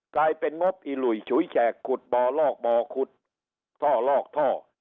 กลายเป็นงบอีหลุยฉุยแฉกขุดบ่อลอกบ่อขุดท่อลอกท่อ